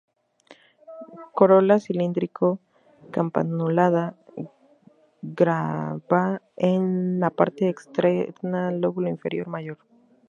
Corola cilíndrico-campanulada, glabra en la parte externa, lóbulo inferior mayor.